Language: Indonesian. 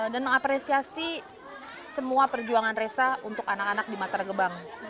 dan mengapresiasi semua perjuangan resa untuk anak anak di matar gebang